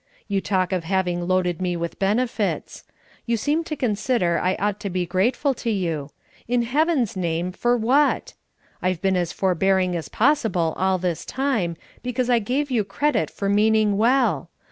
You talk of having loaded me with benefits. You seem to consider I ought to be grateful to you. In Heaven's name, for what? I've been as forbearing as possible all this time, because I gave you credit for meaning well.